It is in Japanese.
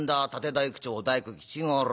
大工町大工吉五郎。